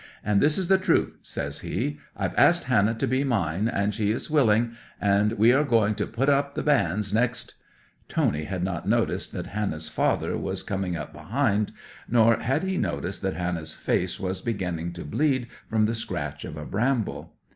"And this is the truth," says he. "I've asked Hannah to be mine, and she is willing, and we are going to put up the banns next—" 'Tony had not noticed that Hannah's father was coming up behind, nor had he noticed that Hannah's face was beginning to bleed from the scratch of a bramble.